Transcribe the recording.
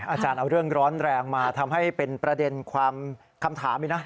อาจารย์เอาเรื่องร้อนแรงมาทำให้เป็นประเด็นความคำถามอีกนะ